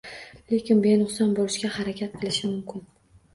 Lekin benuqson bo‘lishga harakat qilishi mumkin.